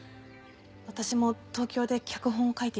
私も東京で脚本を書いていた事あって。